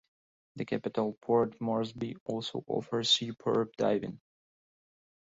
The capital, Port Moresby, also offers superb diving.